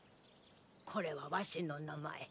これはワシの名前。